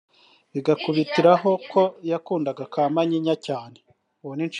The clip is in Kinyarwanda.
bigakubitiraho ko yakundaga ka manyinya cyane